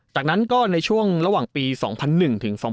จากนั้นก็ในช่วงระหว่างปี๙๖นะครับ